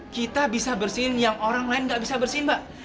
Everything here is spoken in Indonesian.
kita bisa bersihin yang orang lain nggak bisa bersih mbak